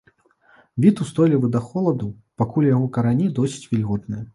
Від устойлівы да холаду, пакуль яго карані досыць вільготныя.